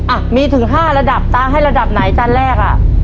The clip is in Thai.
อ่ะมีถึง๕ระดับตาให้ระดับไหนจานแรกอ่ะ